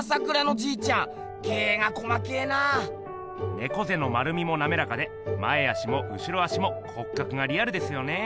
ねこぜの丸みもなめらかで前足も後ろ足も骨格がリアルですよね！